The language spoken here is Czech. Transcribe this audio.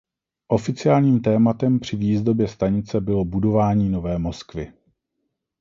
Oficiálním tématem při výzdobě stanice bylo "budování nové Moskvy".